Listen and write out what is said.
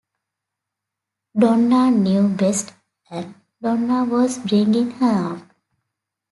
Donna knew best and Donna was bringing her up.